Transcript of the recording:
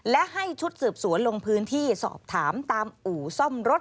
และให้ชุดสืบสวนลงพื้นที่สอบถามตามอู่ซ่อมรถ